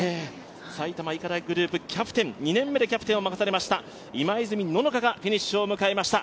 埼玉医科大学グループ、２年目でキャプテンを任されました今泉野乃香がフィニッシュを迎えました。